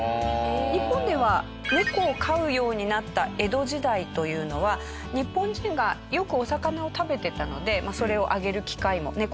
日本では猫を飼うようになった江戸時代というのは日本人がよくお魚を食べてたのでそれをあげる機会も猫にあげる機会も多い。